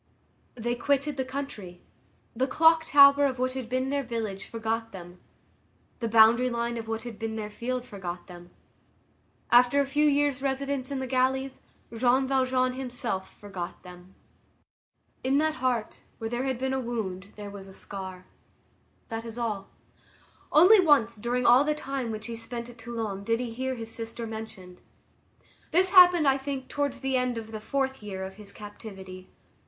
They quitted the country. The clock tower of what had been their village forgot them; the boundary line of what had been their field forgot them; after a few years' residence in the galleys, Jean Valjean himself forgot them. In that heart, where there had been a wound, there was a scar. That is all. Only once, during all the time which he spent at Toulon, did he hear his sister mentioned. This happened, I think, towards the end of the fourth year of his captivity.